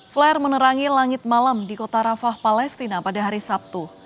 flare menerangi langit malam di kota rafah palestina pada hari sabtu